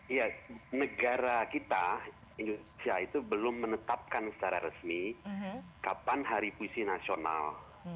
ya negara kita indonesia itu belum menetapkan secara resmi kapan hari puisi nasional